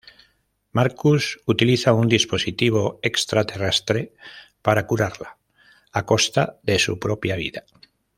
Marcus utiliza un dispositivo extraterrestre para curarla a costa de su propia vida.